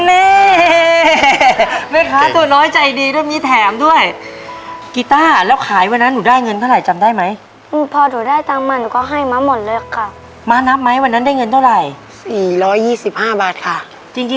เมื่อความเมื่อความเมื่อความเมื่อความเมื่อความเมื่อความเมื่อความเมื่อความเมื่อความเมื่อ